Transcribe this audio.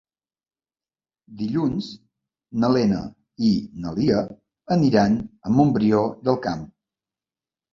Dilluns na Lena i na Lia aniran a Montbrió del Camp.